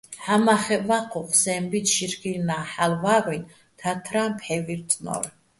ჰ̦ამა́ხეჸ ვაჴჴუ́ხ სეჼ ბი́ძ შირქილნა́ ჰ̦ალო̆ ვა́ღუჲნი̆ თათრა́ ფჰ̦ე ვი́რწნო́რ.